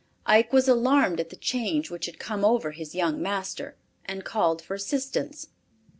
Ike was alarmed at the change which had come over his young master, and called for assistance.